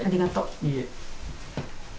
いいえ。